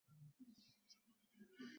তার সঙ্গে ঈমান এনেছিল গুটি কতেক লোক।